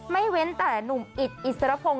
เว้นแต่หนุ่มอิดอิสรพงศ